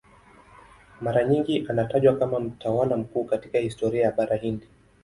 Mara nyingi anatajwa kama mtawala mkuu katika historia ya Bara Hindi.